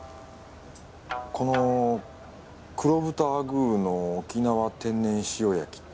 この黒豚アグーの沖縄天然塩焼きと。